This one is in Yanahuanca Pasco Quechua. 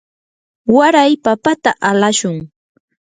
waray papata alashun.